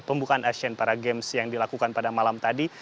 pembukaan asian paragames yang dilakukan pada malam tadi